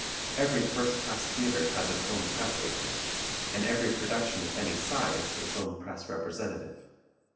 Every first class theatre has its own press agent, and every production of any size its own press representative.